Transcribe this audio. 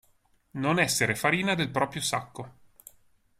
Non essere farina del proprio sacco.